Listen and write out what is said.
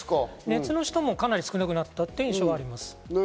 熱の人もかなり少なくなったという印象はあります。